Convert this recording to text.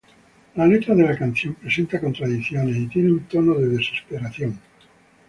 La letra de la canción presenta contradicciones y tiene un tono de desesperación.